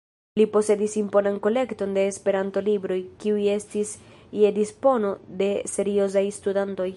Li posedis imponan kolekton de Esperanto-libroj, kiuj estis je dispono de seriozaj studantoj.